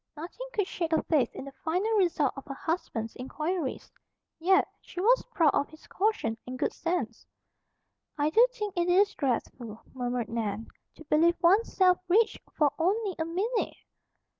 Nothing could shake her faith in the final result of her husband's inquiries. Yet, she was proud of his caution and good sense. "I do think it is dreadful," murmured Nan, "to believe one's self rich for only a minute!"